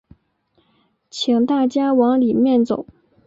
请大家往里面走